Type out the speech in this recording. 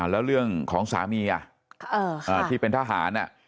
แล้วเรื่องของสามีที่เป็นทหาร